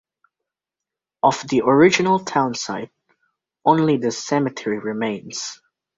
Of the original townsite, only the cemetery remains.